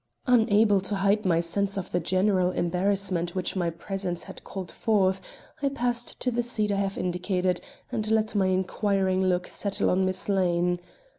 Unable to hide my sense of the general embarrassment which my presence had called forth, I passed to the seat I have indicated and let my inquiring look settle on Miss Lane.